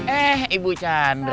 eh ibu chandra